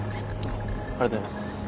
ありがとうございます。